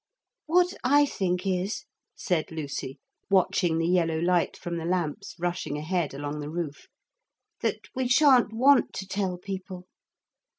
'What I think is,' said Lucy, watching the yellow light from the lamps rushing ahead along the roof, 'that we shan't want to tell people.